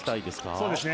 そうですね。